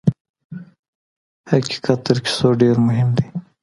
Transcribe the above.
حقیقت تر کیسو ډېر مهم دی.